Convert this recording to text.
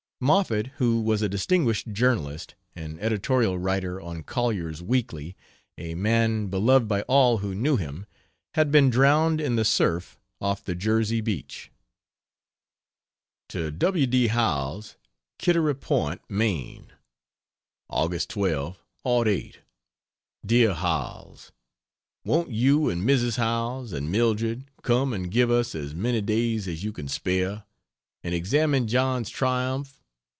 Moffett, who was a distinguished journalist an editorial writer on Collier's Weekly, a man beloved by all who knew him had been drowned in the surf off the Jersey beach. To W. D. Howells, Kittery Point, Maine: Aug. 12, '08. DEAR HOWELLS, Won't you and Mrs. Howells and Mildred come and give us as many days as you can spare, and examine John's triumph?